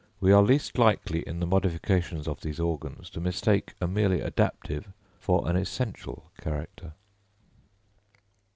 We are least likely in the modifications of these organs to mistake a merely adaptive for an essential character."